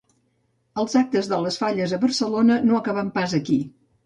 Els actes de les falles a Barcelona no s’acaben pas aquí.